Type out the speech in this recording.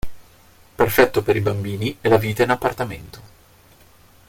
Perfetto per i bambini e la vita in appartamento.